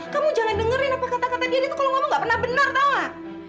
kamu jangan dengerin apa kata kata dian itu kalau ngomong gak pernah benar tawa